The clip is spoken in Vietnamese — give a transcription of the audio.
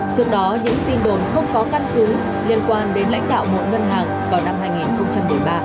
trước đó những tin đồn không có căn cứ liên quan đến lãnh đạo một ngân hàng vào năm hai nghìn một mươi ba